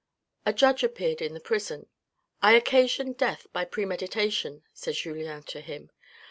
A judge appeared in the prison. " I occasioned death by premeditation," said Julien to him.